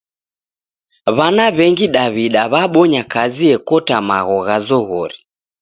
W'ana w'engi Daw'ida w'abonya kazi ekota magho gha zoghori.